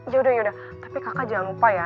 yaudah tapi kakak jangan lupa ya